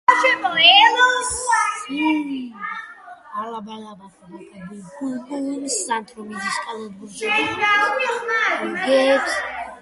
მის ფასადზე შვიდი სარკმელია ნახევრად კოლონებით და პილასტრებით.